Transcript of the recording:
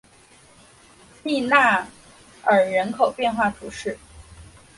利纳尔人口变化图示